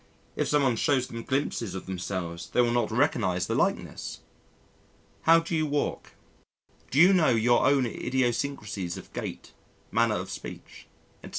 If someone shows them glimpses of themselves they will not recognise the likeness. How do you walk? Do you know your own idiosyncrasies of gait, manner of speech, etc.?